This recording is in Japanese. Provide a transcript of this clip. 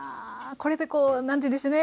これでこうなんていうんでしょうね